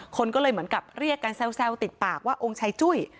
คนก็เลยเหมือนกับเรียกกันแซวติดปากว่าองค์ชายจุ้ย